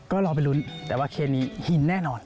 ก็รอไปลุ้นแต่ว่าเคสนี้ฮินแน่นอน